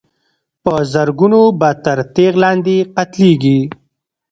په زرګونو به تر تېغ لاندي قتلیږي